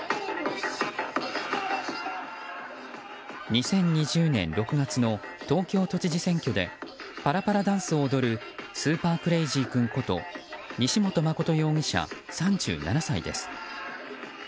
２０２０年６月の東京都知事選挙でパラパラダンスを踊るスーパークレイジー君こと西本誠容疑者、３７歳です。